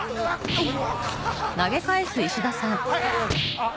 あっ。